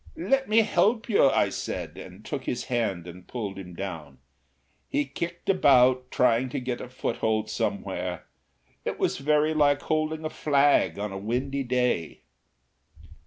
"Let me help you!" I said, and took his hand and pulled him down. He kicked about, trying to get a foothold somewhere. It was very like holding a flag on a windy day.